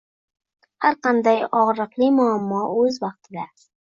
Har qanday og‘riqli muammo o‘z vaqtida